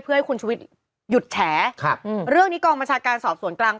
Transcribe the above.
เพื่อให้คุณชุวิตหยุดแฉครับเรื่องนี้กองบัญชาการสอบสวนกลาง